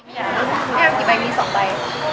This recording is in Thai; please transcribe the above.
ไม่ได้เอากี่ใบมีสองใบ